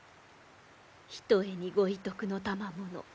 ひとえにご威徳のたまもの。